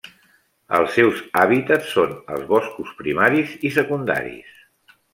Els seus hàbitats són els boscos primaris i secundaris.